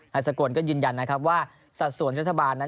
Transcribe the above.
แต่ส่งกวนก็ยืนยันว่าสัดส่วนรัฐบาลนั้น